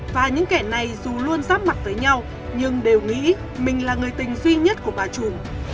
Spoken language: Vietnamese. và những kẻ này dù luôn ráp mặt với nhau nhưng đều nghĩ mình là người tình duy nhất của bà trùm